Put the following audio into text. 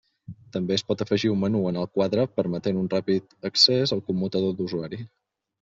També es pot afegir un menú en el quadre permetent un ràpid accés al commutador d'usuari.